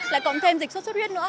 lại cộng thêm dịch sốt sốt huyết nữa